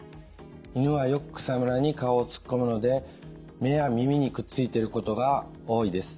犬はよく草むらに顔を突っ込むので目や耳にくっついていることが多いです。